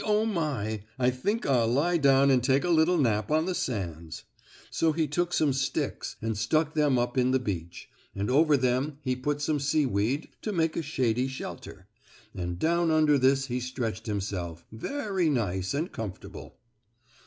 Oh, my! I think I'll lie down and take a little nap on the sands." So he took some sticks and stuck them up in the beach, and over them he put some seaweed to make a shady shelter, and down under this he stretched himself out, very nice and comfortable.